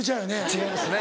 違いますね。